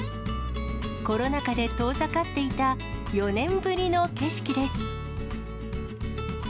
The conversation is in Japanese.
コロナ禍で遠ざかっていた４年ぶりの景色です。